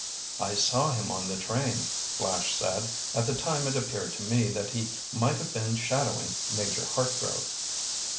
"I saw him on the train," Flash said. "At the time it appeared to me that he might have been shadowing Major Hartgrove."